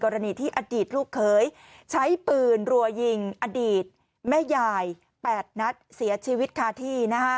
กรณีที่อดีตลูกเคยใช้ปืนรัวยิงอดีตแม่ยาย๘นัดเสียชีวิตคาที่